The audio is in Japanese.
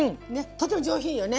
とても上品よね。